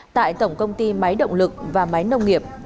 tại tổng công ty máy động lực và máy nông nghiệp